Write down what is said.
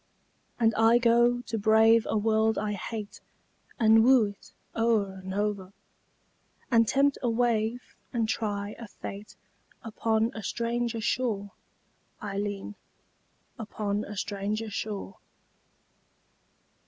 And I go to brave a world I hate And woo it o'er and o'er, And tempt a wave and try a fate Upon a stranger shore, Ailleen. Upon a stranger shore.